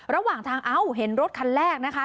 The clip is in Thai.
ระหว่างทางเอ้าเห็นรถคันแรกนะคะ